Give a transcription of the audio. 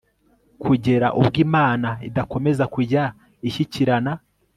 kugera ubwo Imana idakomeza kujya ishyikirana